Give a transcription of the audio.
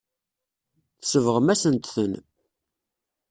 Tsebɣem-asent-ten.